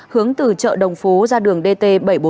hướng từ chợ đồng phú ra đường dt bảy trăm bốn mươi bốn